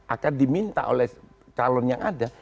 akan diminta oleh calon yang ada